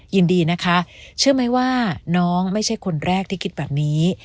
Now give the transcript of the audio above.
ยินดีนะคะเชื่อไหมว่าน้องไม่ใช่คนแรกที่คิดแบบนี้